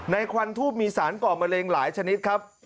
ควันทูบมีสารก่อมะเร็งหลายชนิดครับ